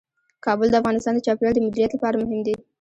کابل د افغانستان د چاپیریال د مدیریت لپاره مهم دي.